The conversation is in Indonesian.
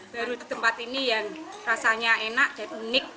baru di tempat ini yang rasanya enak dan unik